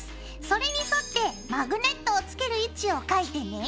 それに沿ってマグネットを付ける位置を描いてね。